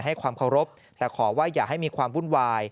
ให้ความเคารพแต่ขอว่าอย่าให้มีความวุ่นวาย